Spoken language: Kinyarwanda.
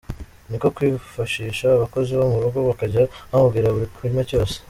Niko kwifashisha abakozi bo mu rugo bakajya bamubwira buri kimwe cyose.